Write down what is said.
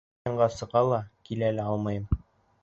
Һинең янға сыға ла, килә лә алмайым.